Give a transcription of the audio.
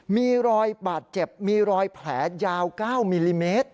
มีรอยบาดเจ็บมีรอยแผลยาว๙มิลลิเมตร